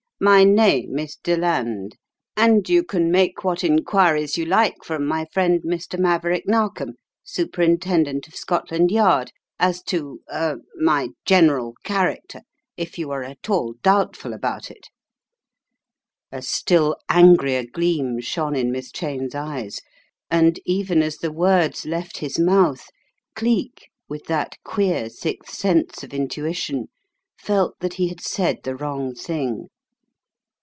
"My name is Deland, and you can make what enquiries you like from my friend Mr. Maverick Narkom, Superintend ent of Scotland Yard as to — er — my general character if you are at all doubtful about it." A still angrier gleam shone in Miss Cheyne's eyes, and even as the words left his mouth, Cleek, with that queer sixth sense of intution, felt that he had said the wrong thing.